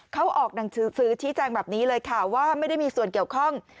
เขาออกหนังสือชี้แจงแบบนี้เลยค่ะว่าไม่ได้มีส่วนเกี่ยวข้อง